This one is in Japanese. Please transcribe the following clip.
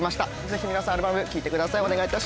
ぜひ皆さんアルバム聴いてください